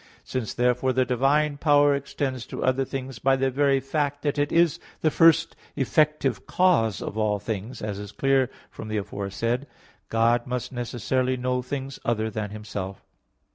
Since therefore the divine power extends to other things by the very fact that it is the first effective cause of all things, as is clear from the aforesaid (Q. 2, A. 3), God must necessarily know things other than Himself.